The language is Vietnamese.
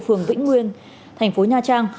phường vĩnh nguyên thành phố nha trang